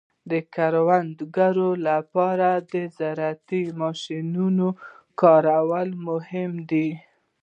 د کروندګرو لپاره د زراعتي ماشینونو کارول مهم دي.